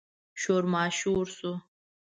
شور ماشور شو.